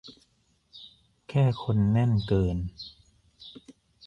แค่คนแน่นเกิน